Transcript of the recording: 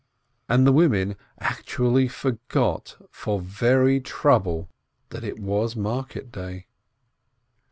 And the women actually forgot for very trouble that it was market day.